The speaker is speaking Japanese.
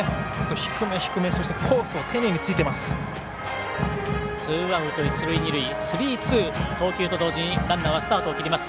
低め低め、コースを丁寧に突いています。